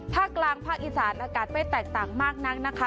ภาคกลางภาคอีสานอากาศไม่แตกต่างมากนักนะคะ